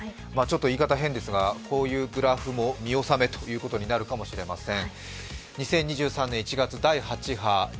言い方、変ですが、こういうグラフも見納めということになるかもしれません。